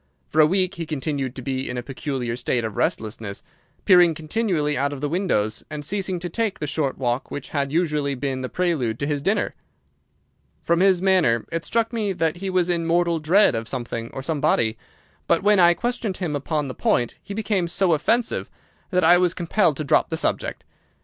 For a week he continued to be in a peculiar state of restlessness, peering continually out of the windows, and ceasing to take the short walk which had usually been the prelude to his dinner. From his manner it struck me that he was in mortal dread of something or somebody, but when I questioned him upon the point he became so offensive that I was compelled to drop the subject.